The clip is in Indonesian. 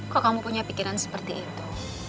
kok kamu punya pikiran seperti itu